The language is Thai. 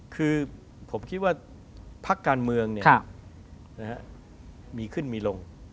คือผมคิดว่าพักการเมืองมีขึ้นมีลง